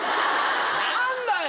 何だよ！